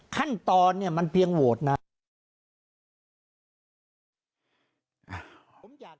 ขั้นตอนเนี่ยมันเพียงโหวตนายก